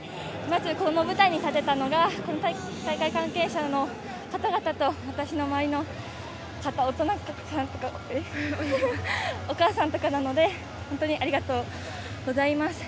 この舞台に立てたのが大会関係者の方々と私の周りの方、お母さんとかなので、ありがとうございます。